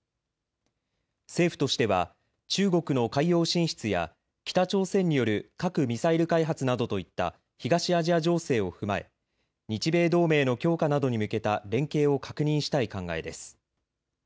政府としては中国の海洋進出や北朝鮮による核・ミサイル開発などといった東アジア情勢を踏まえ、日米同盟の強化などに向けた連携を確認したい考えです。